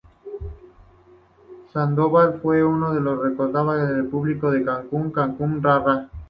Sandoval fue más recordada por el público en "¡Cachún Cachún Ra Ra!